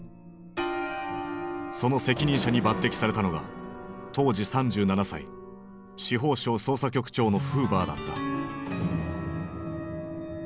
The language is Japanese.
その責任者に抜てきされたのが当時３７歳司法省捜査局長のフーバーだった。